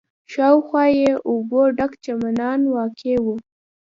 شاوخوا یې اوبو ډک چمنان واقع و.